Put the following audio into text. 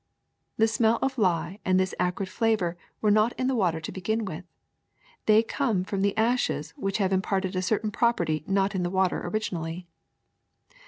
This smell of lye and this acrid flavor were not in the water to begin with; they come from the ashes which have imparted a certain property not in the water originally.